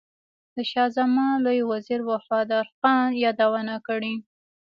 د شاه زمان لوی وزیر وفادار خان یادونه کړې.